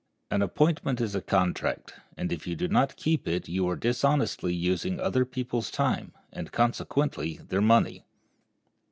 An appointment is a contract, and if you do not keep it you are dishonestly using other people's time, and, consequently, their money.